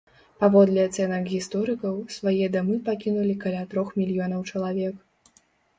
Паводле ацэнак гісторыкаў, свае дамы пакінулі каля трох мільёнаў чалавек.